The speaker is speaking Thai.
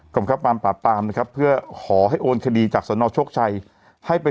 กรรมครับปร่านปราปปรามนะครับเพื่อหอให้โอนคดีจากสอนอชกชัยให้ไป